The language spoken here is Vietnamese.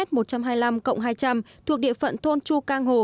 thuộc địa phận thôn chu cang hồ